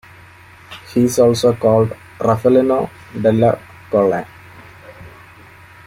He is also called "Raffaellino della Colle".